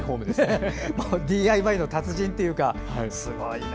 ＤＩＹの達人というか、すごいな。